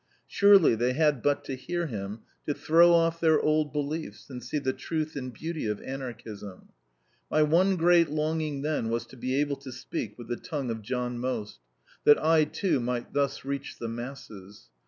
Surely they had but to hear him to throw off their old beliefs, and see the truth and beauty of Anarchism! My one great longing then was to be able to speak with the tongue of John Most, that I, too, might thus reach the masses.